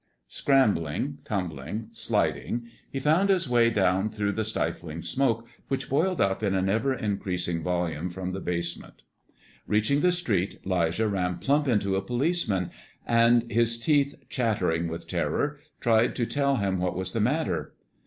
Scrambling, tumbling, sliding, he found his way down through the stifling smoke, which boiled up in an ever increasing volume from the basement. Reaching the street, 'Lijah ran plump into a policeman, and, his teeth chattering with terror, tried to tell him what was the matter.